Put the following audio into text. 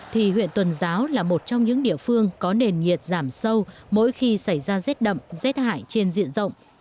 thì huyện tuần giáo là một trong những địa phương có nền nhiệt giảm sâu mỗi khi xảy ra rét đậm rét hại trên diện rộng